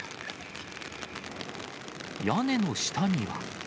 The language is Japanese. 屋根の下には。